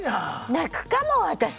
泣くかも私！